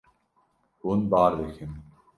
Hûn bar dikin.